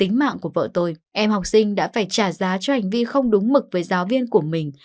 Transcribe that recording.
tính mạng của vợ tôi em học sinh đã phải trả giá cho hành vi không đúng mực với giáo viên của mình